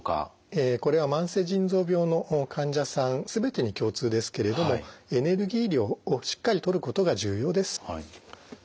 えこれは慢性腎臓病の患者さん全てに共通ですけれどもエネルギー量をしっかりとることが重要です。